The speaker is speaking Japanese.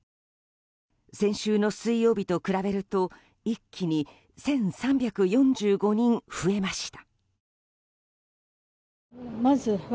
先週の水曜日と比べると一気に１３４５人増えました。